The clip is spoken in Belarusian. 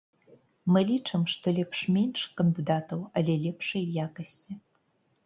Мы лічым, што лепш менш кандыдатаў, але лепшай якасці.